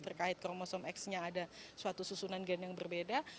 terkait kromosom x nya ada suatu susunan gen yang berbeda